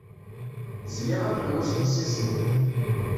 Zliɣ aqelwac i lsas-iw.